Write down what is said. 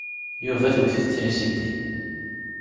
Yuba tewwet-it trisiti.